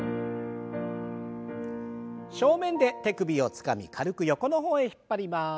正面で手首をつかみ軽く横の方へ引っ張ります。